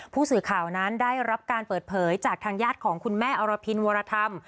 ผู้สื่อข่าวนั้นได้รับการเปิดเผยจากทางญาติของคุณแม่อรพินวรธรรม